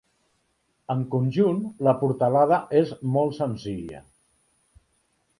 En conjunt la portalada és molt senzilla.